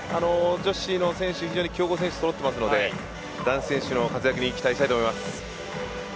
女子の選手は非常に強豪の選手がそろっているので男子選手の活躍に期待したいです。